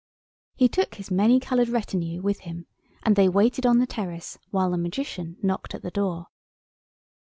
He took all his many coloured retinue with him, and they waited on the terrace while the Magician knocked at the door.